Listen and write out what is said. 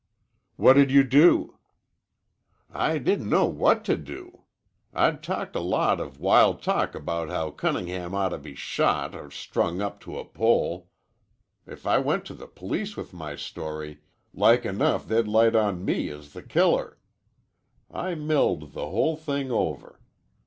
"What did you do?" "I didn't know what to do. I'd talked a lot of wild talk about how Cunningham ought to be shot or strung up to a pole. If I went to the police with my story, like enough they 'd light on me as the killer. I milled the whole thing over.